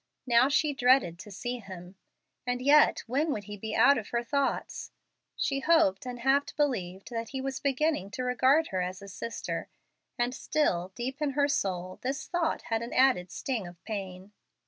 Now she dreaded to see him. And yet when would he be out of her thoughts? She hoped and half believed that he was beginning to regard her as a sister, and still, deep in her soul, this thought had an added sting of pain.